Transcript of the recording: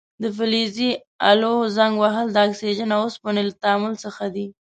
د فلزي الو زنګ وهل د اکسیجن او اوسپنې له تعامل څخه دی.